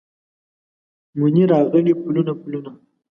مني راغلي پلونه، پلونه